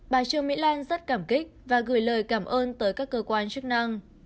bà trương mỹ lan rất cảm kích và gửi lời cảm ơn tới các cơ quan chức năng